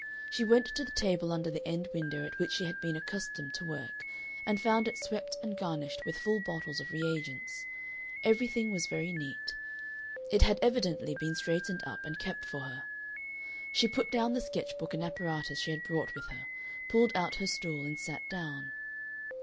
She went to the table under the end window at which she had been accustomed to work, and found it swept and garnished with full bottles of re agents. Everything was very neat; it had evidently been straightened up and kept for her. She put down the sketch books and apparatus she had brought with her, pulled out her stool, and sat down.